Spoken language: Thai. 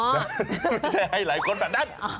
ไม่ใช่ให้หลายคนแบบนั้น